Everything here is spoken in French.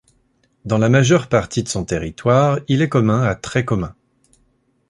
Dans la majeure partie de son territoire, il est commun à très commun.